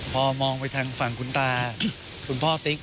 พอมองไปทางฝั่งคุณตาคุณพ่อติ๊ก